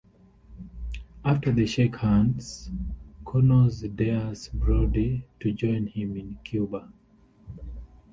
After they shake hands, Connors dares Brodie to join him in Cuba.